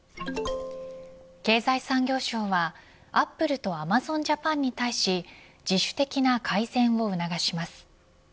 経済産業省はアップルとアマゾンジャパンに対し自主的な改善を促します。